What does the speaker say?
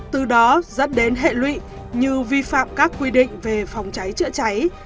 từ đó dẫn đến hệ lụy như vi phạm các quy định về phòng cháy chữa cháy